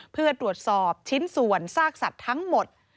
เพื่อตรวจสอบชิ้นส่วนซากสัตว์ทั้งหมด